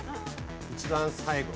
一番最後。